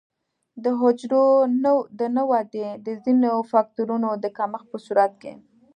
د حجرو د نه ودې د ځینو فکټورونو د کمښت په صورت کې.